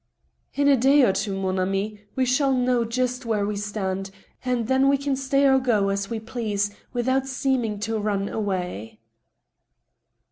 " In a day or two, mon ami, we shall know just where we stand, and then we can stay or go, as we please, without seeming to run away."